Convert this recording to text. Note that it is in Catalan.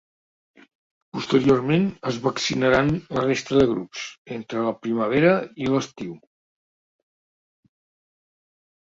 Posteriorment, es vaccinaran la resta de grups, entre la primavera i l’estiu.